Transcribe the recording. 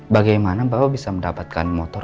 bagaimana bapak bisa mendapatkan motor